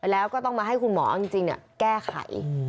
แล้วก็ต้องมาให้คุณหมอเอาจริงแก้ไข